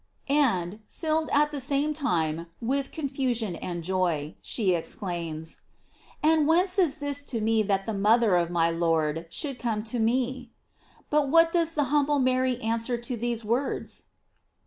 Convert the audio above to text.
"* And, filled (at the same time) with confusion and joy, she exclaims: "And whence is this to me that the mother of my Lord should come to me?"f But what does the humble Mary answer to tbese words?